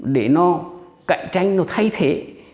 để nó cạnh tranh nó thay thế